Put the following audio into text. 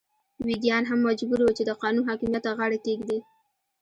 ویګیان هم مجبور وو چې د قانون حاکمیت ته غاړه کېږدي.